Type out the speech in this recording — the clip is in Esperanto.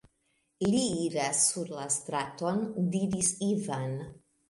Li iras sur la straton, diris Ivan.